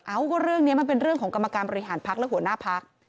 เอ้าก็เรื่องนี้มันเป็นเรื่องของกรรมการบริหารพักและหัวหน้าพัก